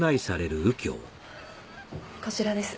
こちらです。